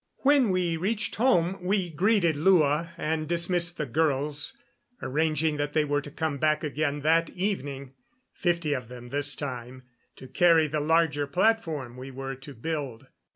When we reached home we greeted Lua, and dismissed the girls, arranging that they were to come back again that evening fifty of them this time to carry the larger platform we were to build.